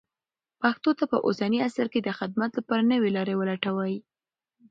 پښتو ته په اوسني عصر کې د خدمت لپاره نوې لارې ولټوئ.